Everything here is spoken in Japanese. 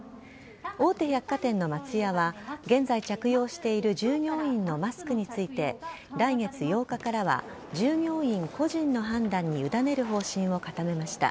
大手百貨店の松屋は現在、着用している従業員のマスクについて来月８日からは従業員個人の判断に委ねる方針を固めました。